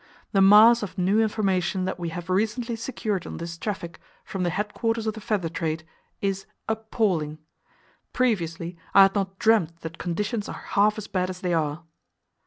The mass of new information that we have recently secured on this traffic from the headquarters of the feather trade is appalling. Previously, I had not dreamed that conditions are half as bad as they are.